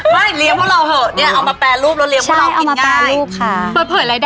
ไม่เลี้ยงพวกเราเถอะเนี่ยเอามาแปรรูปแล้วเลี้ยพวกเรากินง่าย